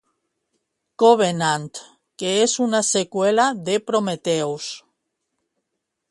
Covenant, que és una seqüela de Prometheus.